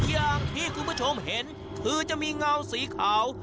อย่างที่คุณผู้ชมเห็นคือจะมีเงาสีขาว